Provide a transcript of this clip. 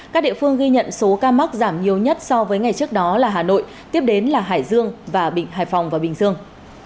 các địa phương ghi nhận số ca mắc giảm nhiều nhất so với ngày trước đó là hà nội tiếp đến là hải dương và bình hải phòng và bình dương